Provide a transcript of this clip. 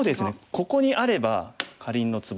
ここにあればかりんのツボ。